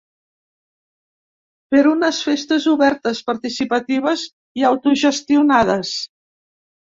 Per unes festes obertes, participatives i autogestionades!